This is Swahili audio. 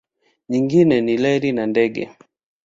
Nyingine ni reli na ndege.